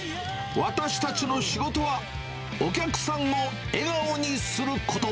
私たちの仕事は、お客さんを笑顔にすること。